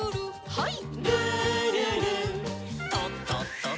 はい。